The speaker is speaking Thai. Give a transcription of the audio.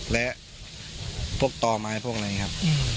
และพวกต่อไม้พวกอะไรครับ